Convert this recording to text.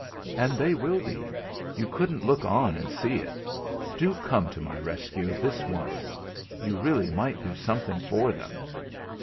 "And they will be; you couldn't look on and see it. Do come to my rescue this once. You really might do something for them."